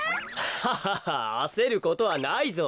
ハハハあせることはないぞ。